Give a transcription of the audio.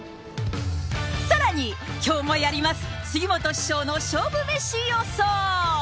さらに、きょうもやります、杉本師匠の勝負メシ予想。